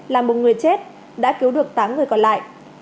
làm một người chết đã cứu được tám người còn lại